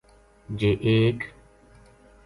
جے ایک